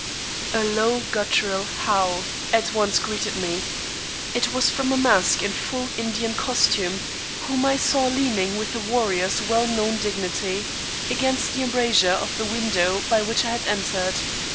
A low guttural "Hugh!" at once greeted me. It was from a mask in full Indian costume, whom I saw leaning with a warrior's well known dignity against the embrasure of the window by which I had entered.